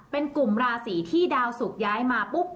เป็นกลุ่มราศีที่ดาวสุกย้ายมาปุ๊บ